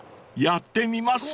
［やってみます？］